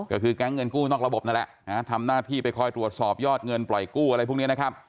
ก็คือแก๊งเงินกู้นอกระบบนั่นแหละทำหน้าที่ไปคอยตรวจสอบยอดเงินปล่อยกู้อะไรพวกนี้นะครับ